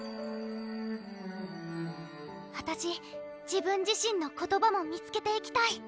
あたし自分自身の言葉も見つけていきたい